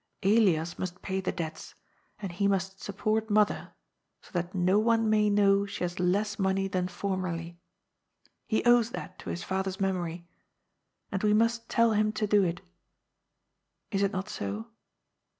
Elias must pay the debts, and he must support mother so that no one may know she has less money than formerly. He owes that to his father's memory, and we must tell him to do it. Is it not so